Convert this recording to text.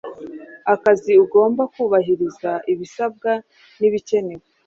Akazi ugomba kubahiriza ibisabwa nibikenewe